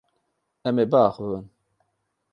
Em ê biaxivin.